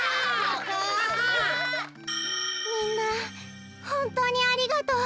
みんなほんとうにありがとう。